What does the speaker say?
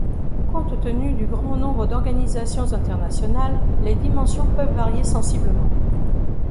Compte tenu du grand nombre d'organisations internationales, les dimensions peuvent varier sensiblement.